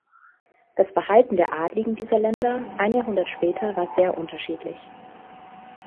Das Verhalten der Adligen dieser Länder ein Jahrhundert später war sehr unterschiedlich.